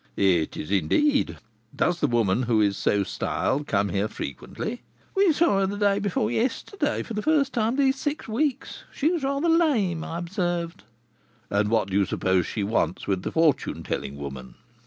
"It is, indeed. Does the woman who is so styled come here frequently?" "We saw her the day before yesterday, for the first time these six weeks. She was rather lame, I observed." "And what do you suppose she wants with the fortune telling woman?"